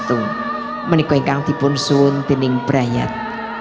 tunggu menikminkan dibunsun di ning brayat